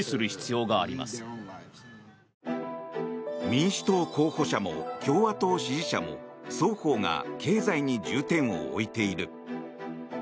民主党候補者も共和党支持者も双方が経済に重点を置いている。